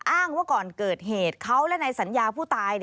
อ้างว่าก่อนเกิดเหตุเขาและในสัญญาผู้ตาย